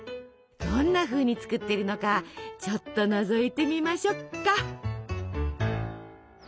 どんなふうに作っているのかちょっとのぞいてみましょっか。